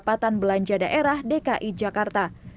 pendapatan belanja daerah dki jakarta